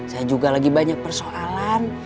saya juga lagi banyak persoalan